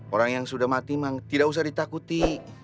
orang yang sudah mati memang tidak usah ditakuti